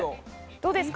どうですか？